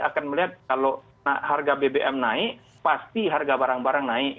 akan melihat kalau harga bbm naik pasti harga barang barang naik